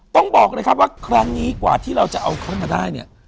ต้องบอกเลยครับว่าครั้งนี้กว่าที่เราจะเอาเขามาได้เนี่ย